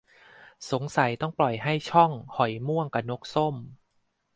สงสัยต้องปล่อยให้ ช่อง หอยม่วง กะ นกส้ม